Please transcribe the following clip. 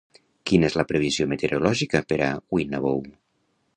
Quina és la previsió meteorològica per a Winnabow?